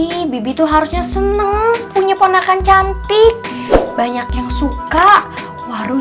iya bi bi itu harusnya seneng punya ponakan cantik banyak yang suka warung